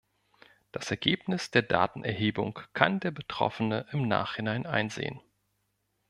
Das Ergebnis der Datenerhebung kann der Betroffene im Nachhinein einsehen.